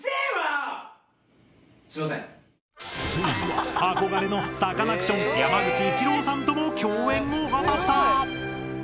ついには憧れのサカナクション山口一郎さんとも共演を果たした！